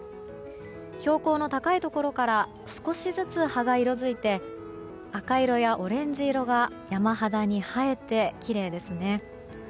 標高の高いところから少しずつ葉が色づいて赤色やオレンジ色が山肌に映えてきれいですよね。